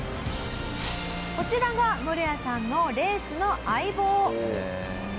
こちらがムロヤさんのレースの相棒。